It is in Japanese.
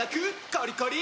コリコリ！